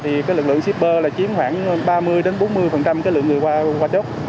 thì các anh đã có quy định